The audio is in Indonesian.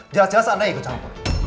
jelas jelas anda ikut campur